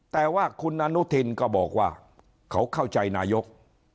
แต่ว่าคุณอนุทินก็บอกว่าเขาเข้าใจนายก